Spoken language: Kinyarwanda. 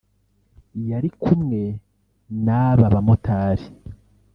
yari kumwe n’aba bamotari